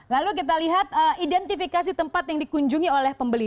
lalu kita lihat identifikasi tempat yang dikunjungi oleh pembeli